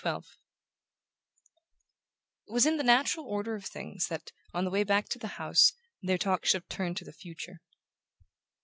XII It was in the natural order of things that, on the way back to the house, their talk should have turned to the future.